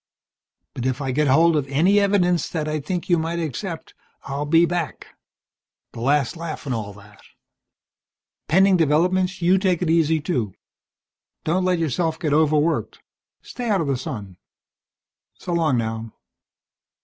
But if I get hold of any evidence that I think you might accept, I'll be back. The last laugh and all that. Pending developments you take it easy, too. Don't let yourself get overworked. Stay out of the sun. So long now."